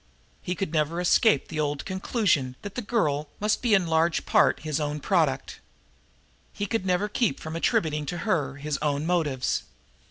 He could never escape from an old conclusion that the girl must be in large part his own product he could never keep from attributing to her his own motives.